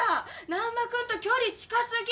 難破君と距離近すぎ！